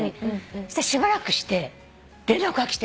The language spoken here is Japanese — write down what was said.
そしたらしばらくして連絡が来て。